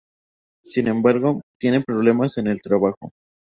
Sin embargo, tiene problemas en el trabajo.